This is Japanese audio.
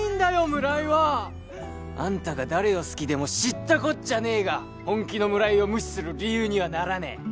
村井はあんたが誰を好きでも知ったこっちゃねえが本気の村井を無視する理由にはならねえ